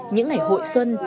những ngày hội xuân